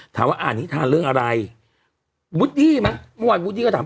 ถามว่าอ่านนิทานเรื่องอะไรวูดดี้ไหมเมื่อวานวูดดี้ก็ถาม